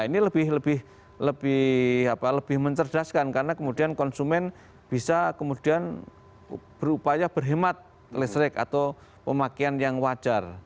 ini lebih mencerdaskan karena kemudian konsumen bisa kemudian berupaya berhemat listrik atau pemakaian yang wajar